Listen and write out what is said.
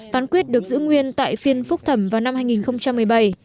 phán quyết được giữ nguyên tại phiên phúc thẩm vào năm hai nghìn một mươi bảy